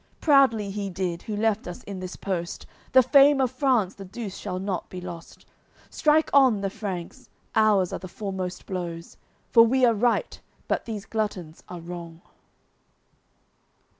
Proudly he did, who left us in this post; The fame of France the Douce shall not be lost. Strike on, the Franks! Ours are the foremost blows. For we are right, but these gluttons are wrong."